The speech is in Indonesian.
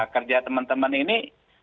kerja teman teman ini